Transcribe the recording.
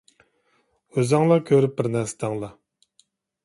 ئۆزۈڭلار كۆرۈپ بىر نەرسە دەڭلار.